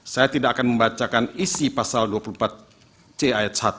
saya tidak akan membacakan isi pasal dua puluh empat c ayat satu